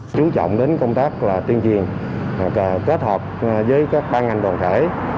chú trọng đến công tác tuyên truyền kết hợp với các ban ngành đoàn thể